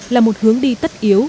là một hướng đi tất yếu